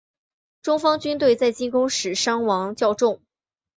中方军队在进攻时伤亡较重。